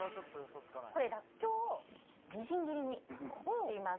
これ、らっきょうをみじん切りにしています。